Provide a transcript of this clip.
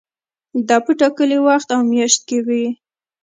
دا په ټاکلي وخت او میاشت کې وي.